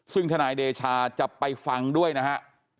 ซึ่งทนายเดชาจะไปฟังด้วยนะฮะ